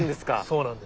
そうなんです。